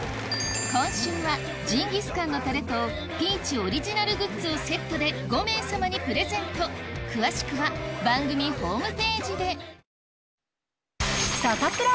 今週は成吉思汗のたれとＰｅａｃｈオリジナルグッズをセットで５名様にプレゼント詳しくは番組ホームページでサタプラ。